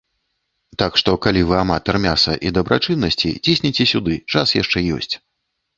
Так што, калі вы аматар мяса і дабрачыннасці, цісніце сюды, час яшчэ ёсць.